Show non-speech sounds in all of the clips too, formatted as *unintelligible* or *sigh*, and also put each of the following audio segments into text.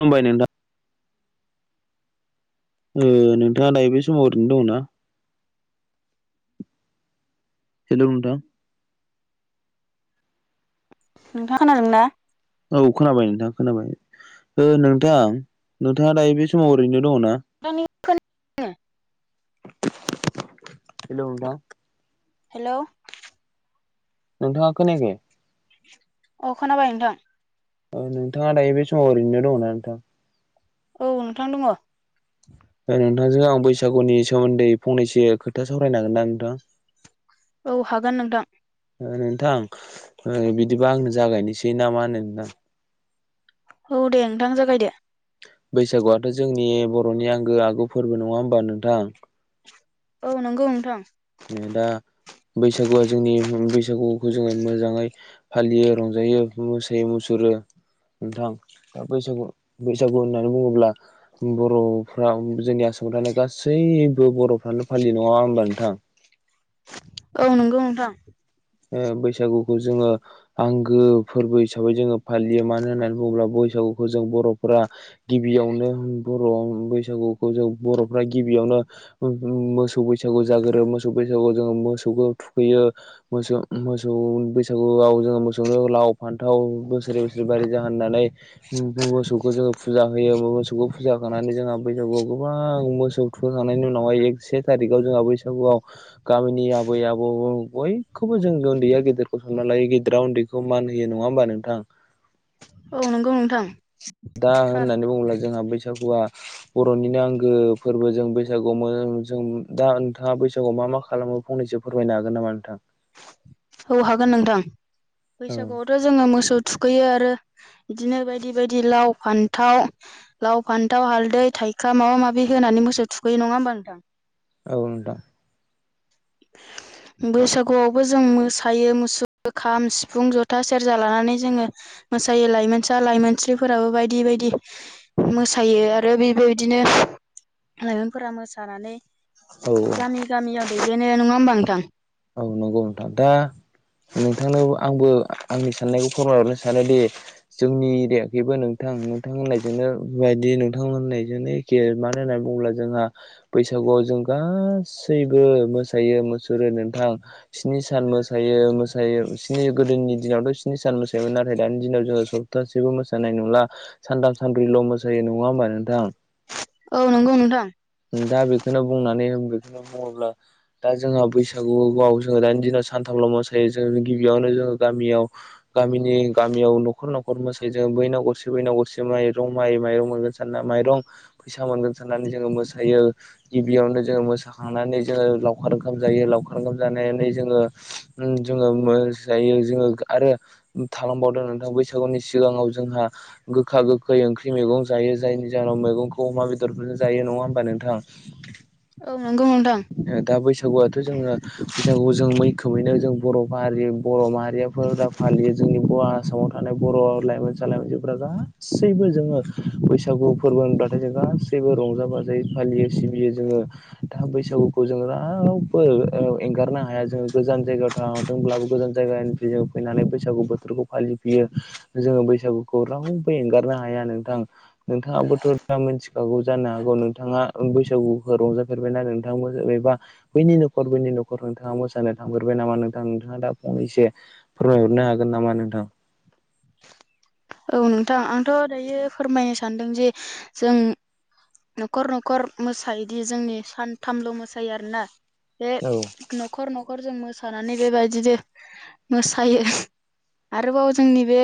खुमबाय नोंथां। ओ नोंथाङा दायो बे समाव ओरैनो दङ ना? हेल'! नोंथां। नोंथाङा खोनादोंना? औ खोनाबाय नोंथां। खोनाबाय। ओ नोंथां, नोंथाङा दायो बे समाव ओरैनो दङना? *unintelligible* हेलौ नोंथां। हेलौ। नोंथाङा खोनायाखै? अ खोनाबाय नोंथां। ओ नोंथाङा दायो बे समाव ओरैनो दङना नोंथां? औ नोंथां दङ। नोंथांजों आं बैसागुनि सोमोन्दै फंनैसो खोथा सावरायनो हागोन ना नोंथां? औ हागोन नोंथां। ओ नोंथां ओ बिदिबा आंनो जागायनोसै नामा नोंथां? औ दे नोंथां जागाय दो। बैसागुआथ' जोंनि बर'नि आंगो आगु फोरबो नङा होमबा नोंथां? औ नंगौ नोंथां। ओ दा बैसागुआ जोंनि बैसागुखौ जोङो मोजाङै फालियो रंजायो मोसायोै मुसुर रो नोंथां, दा बैसागु बैसागु होननानै बुङोब्ला बर'फ्रा जोंनि आसाम आसामाव थानाय गासैबो बर'फ्रानो फालियो नङा होनबा नोंथां? औ नंगौ नोंथां। ओ बैसागुखौ जोङो आंगो फोरबो हिसाबै जोङो फालियो मानो होननानै बुङोब्ला बैसागुखौ जों बर'फोरा गिबियावनो बर' बैसागुखौ जों बर'फ्रा गिबियाव मोसौ बैसागु जागोरो मोसौ बैसागुआव जोङो मोसौखौ थुखैयो मोसौ मोसौ बैसागुआव जोङो मोसौनो लाव फान्थाव बोसोरै बोसोरै बारि जाहोन होननानै मोसौखौ जोङो फुजा होयो मोसौखौ फुजा होखांनानै जोंहा बैसागुआव गोबां मोसौ बुथुखांनायनि उनावहाय एक से थारिखाव जोंहा बैसागुआव गामिनि आबै आबौ बय खौबो जों उन्दैया गेदेरखौ सनमान लायो गेदिरा उन्दैखौ मान होयो नङा होमबा नोंथां? औ नंगौ नोंथां। दा थार होननानै बुङोब्ला जोंहा बैसाग बैसागुआ बरनिनो आंगो फोरबो जों बैसागुआव जों दा नोंथाङा बैसागुआव मा मा मा खालामो फंनैसो फोरमायनो हागोन नामा नोंथां? औ हागोन नोंथां औ बैसागुआवथ जोङो मोसौ थुखैयो आरो बिदिनो बायदि बायदि लाव फान्थाव लाव फान्थाव हालदै थाइखा माबा माबि हो होनानै मोसौ थुखैयो नङा होमबा नोंथां? औ नोंथां? *inaudible* बैसागुआवबो जों मोसायो मुसुरो खाम सिफुं जथा सेरजा लानानै जोङो मोसायो लाइमोनसा लाइमोनस्रिफोराबो बायदि बायदि मोसायो आरो बेबायबायदिनो *inaudible* लाइमोनफोरा मोसानानै औ औ गामि गामियाव दैदेनो नङा होमबा नोंथां? औ नंगौ नोंथां। दा नोंथांनो आंबो आंनि साननायखौ फोरमायहरनो सानोदि जोंनि एरियाखैबो नोंथां नोंथां होननायजोंनो बे बायदि नोंथां होननायजोंनो एखे मानो होननानै बुङोब्ला जोंहा बैसागु खौ जों गासैबो मोसायो मुसुरो थां, स्नि सान मोसायो मोसायो स्नि गोदोनि दिनावथ स्नि सान मोसायोमोन नाथाय दानि दिन जों सप्तासेबो मोसानाय नंला सानथाम सानब्रैल' मोसायो नङा होमबा नोंथां? औ नंगौ नोंथां दा बेखौनो बुंनानै बेखौनो बुङोब्ला दा जोंहा बैसा सागुआव जोङो दानि दिनाव सानथामल मोसायो जों गिबियावनो जोङो गामियाव गामिनि गा मियाव नखर नखर मोसायो जै बैनाव गरसे बैनाव गरसे माइरं माइ माइरं मोनगोन साना माइरं फैसा सा मोनगोन साननानै जोङो मोसायो गिबियावनो जोङो मोसाखांनानै जोङो लावखार ओंखाम जायो लावखार ओंखाम जानानै जोङो, जोङो मोसायो जोङो आरो थालांबावदों नोंथां, बैसागुनि सिगाङाव जोंहा गोखा गोखै ओंख्रि मैगं जायो जायनि जाहोनाव मैगंखौ अमा बेदरफोरजों जायो नङा होमबा नोंथां? औ नंगौ नोंथां दा बैसागुआथ जोंना बैसागु जों मैखोमैनो जों बर हारि बर माहारियाफोरा फालियो जोंनि बर आसामाव थानाय बर लाइमोनसा, लाइमोनस्रिफोरा गासैबो जोङो बैसागु फोरबो होनबाथाय जों गासैबो रंजा-बाजा फालियो सिबियो जोङो। बैसागुखौ जों रावबो एंगारनो हाया। जोङो गोजान जायगायाव थांदोंब्लाबो गोजान जायगानि जों फैनानै बैसागु बोथोरखौ फालिफैयो, जोङो बैसागुखौ रावबो एंगारनो हाया नोंथां। नोंथाङाबोथ दा मिथिखागौ जानो हागौ। नोंथाङा बैसागुखौ रंजाफेरबायना नों थां एबा बैनि नखर बैनि नखर नोंथाङा मोसानो थांफेरबाय नामा नोंथां? नोंथाङा दा फंनैसो फोरमायहरनो हागोन नामा नोंथां? औ नोंथां, आंथ दायो फोरमायनो सानदों जे जों नखर-नखर मोसायोदि जोंनि सानथामल मोसायो आरोना। बे औ नखर-नखर जों मोसा नानै बेबायदिनो मोसायो आरोबाव जोंनि बे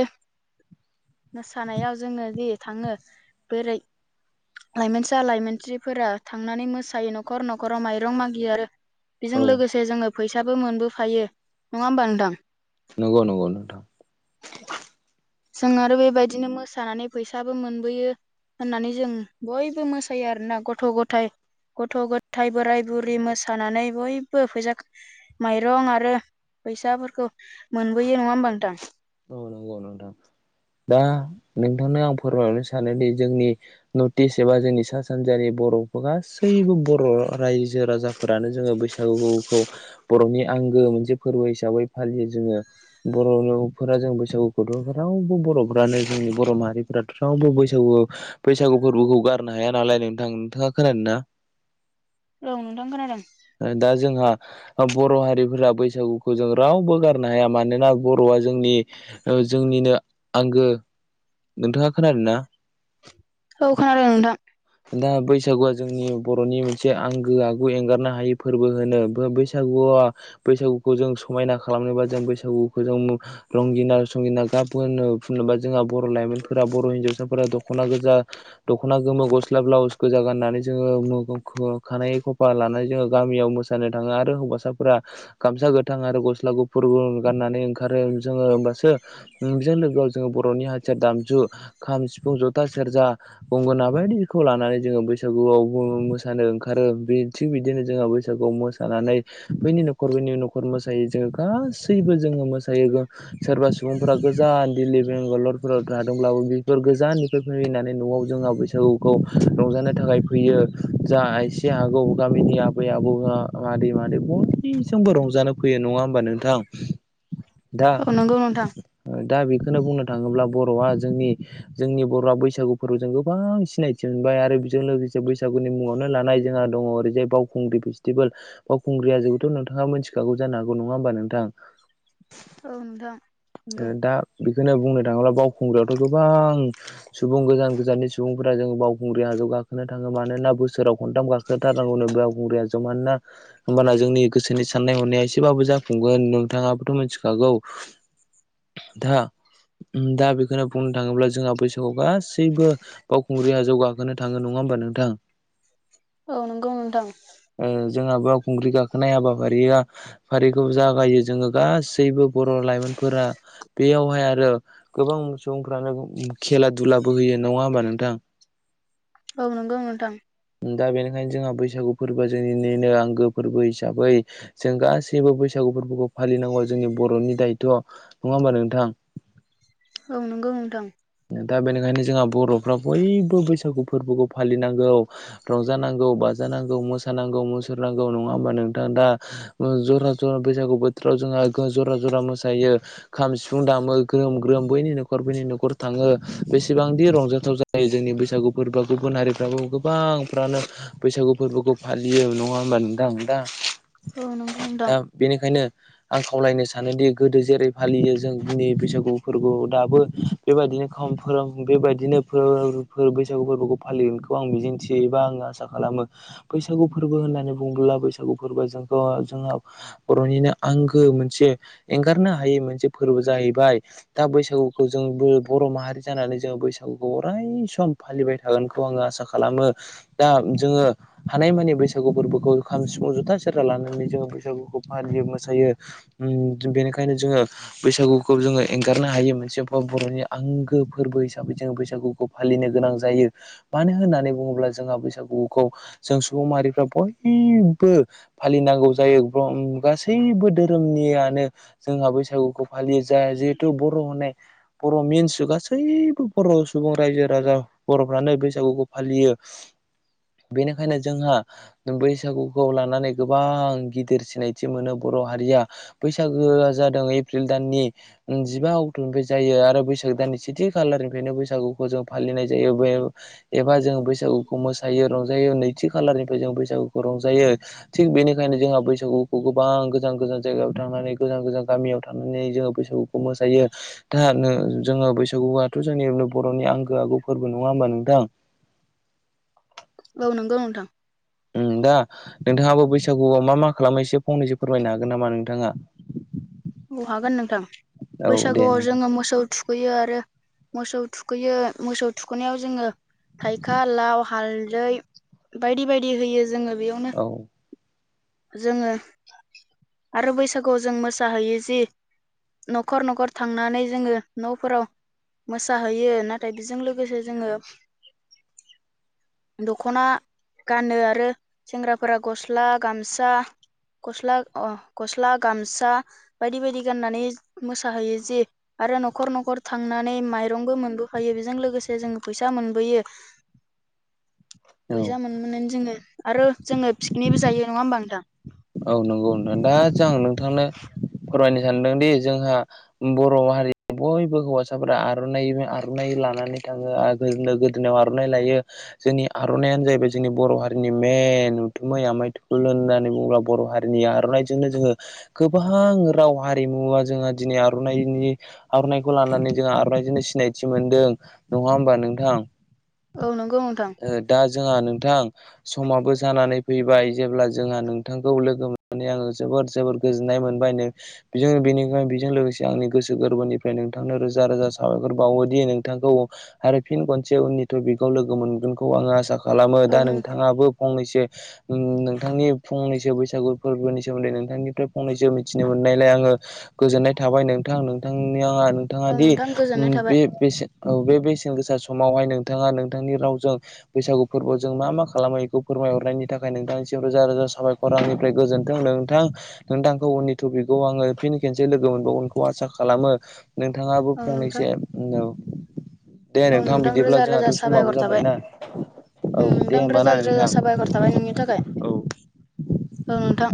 मोसानायाव जोङो जि थाङो बोरै लाइमोनसा, लाइमोनस्रिफोरा थांनानै मोसायो नखर नखराव माइरं मागियो आरो औ बेजों लोगोसे जोङो फैसाबो मोनबोफायो। नङा होमबा नोंथां? नंगौ नंगौ नोंथां। जों आरो बेबायदिनो मोसानानै फैसाबो मोनबोयो होननानै जों बयबो मोसायो आरोना गथ‌-गथाइ। गथ-गथाय, बोराय-बुरि मोसानानै बयबो फैसा खा माइरं आरो फैसाफोरखौ मोनबोयो नङा होमबा नोंथां? औ नंगौ नोंथां। दा नोंथांनो आं फोरमायहरनो सानोदि जोंनि नर्थ इस्ट एबा जोंनि सा सानजानि बर'फोरा गासैबो बर रायजो राजाफोरानो जोङो बैसागुखौ बरनि आं -गो मोनसे फोरबो हिसाबै फालियो जोङो। बर' फोरा जों बैसागुखौथ रावबो बरफ्रानो जोंनि बर माहारिफोरा रावबो बैसागु बैसागु फोरबोखौ गारनो हाया नालाय नोंथां। नोंथाङा खोनादों ना? औ नोंथां खोनादों। दा जोंहा अ बर' हारिफोरा बैसागुखौ जों रावबो गारनो हाया मानोना बर'आ जोंनि जोंनिनो आंगो। नोंथाङा खोनादोंना? औ खोनादों नोंथां। दा बैसागुआ जोंनि बर'नि मोनसे आंगो आगु एंगारनो हायै फोरबो होनो बैसागु गुवा बैसागुखौ जों समायना खालामनोबा जों बैसागुखौ जों रंगिना संगिना गाब फोनो, फोनोबा जोंहा बर' लाइमोनफोरा बर' हिनजावसाफोरा दख'ना गोजा, दख'ना गोमो, गस गोजां गाननानै जोङो मो ख खानाय खफा लानानै जोङो गामियाव मोसानो थाङो आरो हौवासाफोरा गामसा गोथां आरो गस्ला गुफुर गु गाननानै ओंखारो। जोङो होमबासो जों लोगोआव जों बर'नि हाथियार दामजु खाम, सिफुं, जथा, सेरजा गंगना बायदि खौ लानानै जोङो बैसागुआव मोसानो ओंखारो बे थिग बिदिनो जोङो बैसागुआव मोसानानै बैनि न'खर बैनि नखर मोसायो जोङो गासैबो जोङो मोसायो सोरबा सुबुंफोरा गो गोजान दिल्ली बेंगालरफोराव थादोंब्लाबो बेफोर गोजाननिफ्राय फैैनानै न'आव जोंहा बैसागु‌ खौ रंजानो थाखाय फैयो, जा एसे हागौ गामिनि आबै, आबौआ, मादै आरो बयजोंबो रंजानो फैयो नङा होमबा नोंथां? दा औ नंगौ नोंथां दा बि खौनो बुंनो थाङोब्ला बर'आ जोंनि जोंनि बर'आ बैसागु फोरबो जों गोबां सिनाय मोनबाय आरो बेजों लोगोसे बैसागुनि मुङावनो लानाय जोंहा दङ ओरैजाय बावखुंग्रि फेस्टिभेल बावखुंग्रि ग्रि हाजोखौथ' नोंथाङा मिथिखागौ जानोागौ नङा होमबा नोंथां? औ नोंथां अ नंगौ दा बेखौनो बुंनो थाङोब्ला बावखुंग्रियावथ' गोबां सुबुं गोजान गोजाननि सुबुंफोरा जों बाव खुंग्रिया हाजौ गाखोनो थाङो मानोना बोसोराव खनथाम गाखोथारनांगौनो बावखुंग्रि हाजोआव मानोना होमबाना जोंनि गोसोनि साननाय हनाया एसेबाबो जाफुंगोन नोंथाङाबोथ' मिथिखागौ दा ओम दा बेखौनो बुंनो थाङोब्ला जोंहा बैसागुआव गासैबो बावखुंग्रि हाजोआव गा खौनो थाङो नङा होमबा नोंथां औ नंगौ नोंथां ओ जोंहा बयावखुंग्रि गाखोनाय हाबाफारिया फारिखौ जागायो जोङो गासैबो बर' लाइमोन फोरा बेयावहाय आरो गोबां सुबुंफ्रानो खेला धुलाबो होयो नङा होमबा नोंथां *unintelligible* औ नंगौ नोंथां दा बेनिखायनो जोंहा बैसागु फोरबोआ जोंनिनो आंगो फोरबो हिसाबै जों गासैबो बैसागु फोरबोखौ फालिनांगौ जोंनि बर'नि दायथ' नङा होमबा नोंथां औ नंगौ नोंथां दा बेनिखायनो जोंहा बर'फ्रा बयबो बैसागु फोरबोखौ फालिनांगौ रंजानांगौ बाजानां नांगौ मोसानांगौ मुसुर नांगौ नङा होमबा नोंथां दा जरा जरा बैसागु बोथोराव जोंहा जरा जरा मोसायो खाम सिफुं दामो ग्रोम ग्रोम बैनि न'खर बैनि न'खर थाङो बेसेबांदि रंजाथाव जायो जोंनि बैसागु फोरबोआ गुबुन हारिफ्राबो गोबांफ्रानो बैसागु फोरबोखौ फालियो नङा होमबा नोंथां दा औ नंगौ नोंथां दा बेनिखायनो आं खावलायनो सानोदि गोदो जेरै फालियो जोंनि बैसागु फोरबोआव दाबो बेबायदिनो खम फोरा बेबायदिनो फोर बैसागु फोरबोखौ फालिगोनखौ आं मिजिंथियो एबा आं आसा खालामो बैसागु फोरबो होननानै बुङोब्ला बैसागु फोरबोआ जोंखौ जोंहा बर'नि आंगो मोनसे एंगारनो हायै मोनसे फोरबो जाहैबाय दा बैसागुखौ जों बर' माहारि जानानै जोङो बैसागुखौ अराय सम फालिबाय थागोनखौ आङो आसा खालामो दा जोङो हानायमानि बैसागु फोरबोखौ खाम सिफुं जुथा सेरा लानानै जोङो बैसागुखौ फालि मोसायो ओम बेनिखायनो जोङो बैसागुखौ जोङो एंगारनो हायो मोनसे कक बर'नि आंगो फोरबो हिसाबै जोङो बैसागुखौ फालिनो गोनां जायो मानो होन्नानै बुङोब्ला जोंहा बैसागुखौ जों सुबुं माहारिफ्रा बयबो फालिनांगौ जायो गासैबो धोरोमनियानो जोंहा बैसागुखौ फालियो जा जिहेथु बर' होननाय बर' मिन्स गासैबो बर' सुबुं रायजो राजा बर'फ्रानो बैसागुखौ फालियो *unintelligible* बेनिखायनो जोंहा बैसागुखौ लानानै गोबां गिदिर सिनायथि मोनो बर' बर' हारिया बैसागोआ जादों एप्रिल दाननि जिबा अक्ट निफ्राय जायो आरो बैसागो दाननि सेथि खालारनिफ्रायनो बैसागुखौ जों फालिनाय जायो एबा जोङो बैसाग बैसागुखौ मोसायो रंजायो नैथि खालारनि ज बैसागुखौ रंजायो थिग बेनिखायनो जोंहा बैसागुखौ गोबां गोजान गोजान जायगायाव थांनानै गोजान गोजान गामियाव थानानै जोङो बैसागुखौ मोसायो दा जोङो बैसागुआथ' जोंनि बर'नि आंगो आगु फोरबो नङा होमबा नोंथां *inaudible* औ नंगौ नोंथां आ नोंथाङाबो बैसागुआव मा मा खालामो एसे फंनैसो फोरमायनो हागोन नामा नोंथाङा औ हागोन नोंथां औ दे बैसागुआव नोंथां जोङो मोसौ थुखैयो आरो मोसौ थुखैयो मोसौ थुखैनायाव जोङो थाइखा लाव हालदै बायदि बायदि होयो जोङो बेयावनो औ जोङो आरो बैसागुआव जों मोसाहैयो जि न'खर न'खर थांनानै जोङो न'फोराव मोसाहैयो नाथाय बेजों लोगोसे जोङो दख'ना गानो आरो सेंग्राफोरा गस्ला गामसा गस्ला अ गस्ला गामसा बायदि बायदि गाननानै मोसाहैयो जि आरो न'खर न'खर थांनानै माइरंबो मोनबो हायो बेजों लोगोसे जोङो फैसा मोनबोयो *inaudible* औ बैजा मोन मोनोना जोङो आरो जोङो पिकनिकबो जायो नङा होमबा नोंथां औ नंगौ नोंथां दा जोंं नोंथांनो फोरमायनो सानदोंदि जोंहा बर' हारि बयबो हौवासाफोरा आर'नाइ आर'नाइ लानानै थाङो आरो गो-गोदोनायाव आर'नाइ लायो जोंनि आर'नायानो जाहैबाय जोंनि बर' हारिनि मेन *unintelligible* लोंननानै बुंब्ला। बर' हारिनि आर'नाइजोंनो जोङो गोबां राव हारिमुवा जोंहा दिनै आर'नाइनि आर'नाइखौ लानानै जोंहा आर'नाइजोंनो सिनायथि मोनदों नङा होमबा नोंथां औ नंगौ नोंथां ओ दा जोंहा नोंथां समाबो जानानै फैबाय जेब्ला जोंहा बिथांखौ लोगो मोननानै आङो जोबोर जोबोर गोजोननाय मोनबाय बेनिखायनो बेजों लोगोसे आंनि गोसो गोरबोनिफ्राय नोंथांनो रोजा रोजा साबायखर बावोदि नोंथांखौ आरो फिन खनसे उननि टपिकआव लोगो मोनगोनखौ आं आसा खालामो औ दा नों नोंथाङाबो फंनैस नोंथांनि फंनैसो बैसागु फोरबोनि सोमोन्दै नोंथांनिफ्राय फंनैसो मिथिनो मोननायलाय आङो गोजोननाय थाबाय नों थां नोंथांनि आं नोंथाङा औ दि नोंथां गोजोननाय थाबाय बे-बेसे औ बे बेसेन गोसा समावहाय नोंथाङा नोंथांनि रावजों बैसागु फोरबोजों मा मा खालामो बेखौ फोरमायहरनायनि थाखाय नोंथांनिम रोजा रोजा साबायखर आंनिफ्राय गोजोनथों नोंथां नोंथांखौ उननि टपिकखौ आङो फिन खेनसे लोगो मोनबावगोनखौ आसा खालामो नोंथाङाबो औ नोंथां फंनैसो उम औ नोंथां रोजा रोजा समाबो साबायखर थाबाय जाबायना औ ओं दे नोंथां होमबाना रोजा नोंथां रोजा साबायखर थाबाय नोंनि थाखाय औ नोंथां